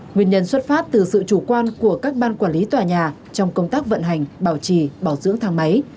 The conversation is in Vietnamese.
nguyên nhân xuất phát từ sự chủ quan của các ban quản lý tòa nhà trong công tác vận hành bảo trì bảo dưỡng thang máy